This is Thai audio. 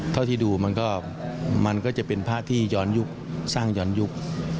เท่าที่ดูมันก็มันก็จะเป็นพระที่ย้อนยุคสร้างย้อนยุค